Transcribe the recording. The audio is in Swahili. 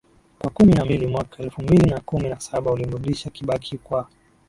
wa kumi na mbili mwaka elfu mbili na kumi na saba ulimrudisha Kibaki kwa